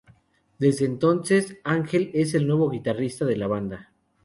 Desde entonces, Ángel es el nuevo guitarrista de la banda.